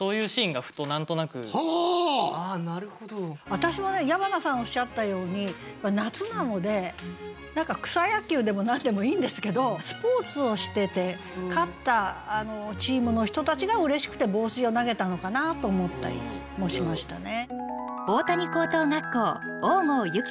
私もね矢花さんおっしゃったように夏なので何か草野球でも何でもいいんですけどスポーツをしてて勝ったチームの人たちが嬉しくて帽子を投げたのかなと思ったりもしましたね。